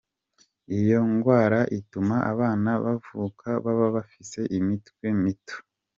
Iyo ngwara ituma abana bavuka baba bafise imitwe mito.